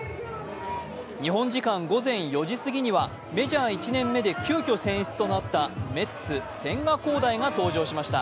日本時間午前４時過ぎにはメジャー１年目で急きょ選出となったメッツ・千賀滉大が登場しました。